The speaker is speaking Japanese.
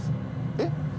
えっ？